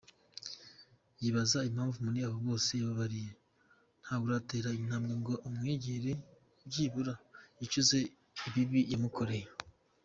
Yibaza impamvu muri abo bose yababariye, ntawuratera intambwe ngo amwegere byibura yicuze ibibi yamukoreye.